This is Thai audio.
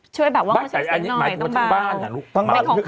ช่วยแบบว่างดใช้เสียงหน่อยต้องมาบอก